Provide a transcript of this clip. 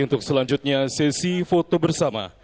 untuk selanjutnya sesi foto bersama